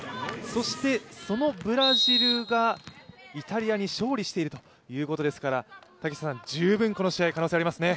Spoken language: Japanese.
そしてそのブラジルがイタリアに勝利しているということですから十分この試合、可能性ありますね。